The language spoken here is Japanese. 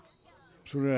それは。